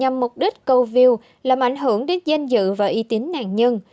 mục đích cầu view làm ảnh hưởng đến danh dự và y tín nạn nhân